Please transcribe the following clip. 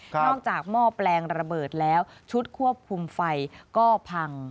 หอกหม้อแปลงระเบิดแล้วชุดควบคุมไฟก็พัง